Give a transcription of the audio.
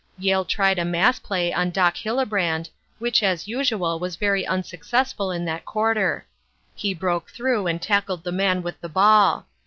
Yale tried a mass play on Doc Hillebrand, which, as usual, was very unsuccessful in that quarter. He broke through and tackled the man with the ball.